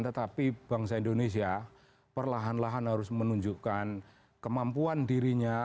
tetapi bangsa indonesia perlahan lahan harus menunjukkan kemampuan dirinya